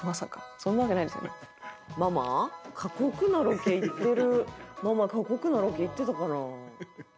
過酷なロケ行ってるママ過酷なロケ行ってたかな？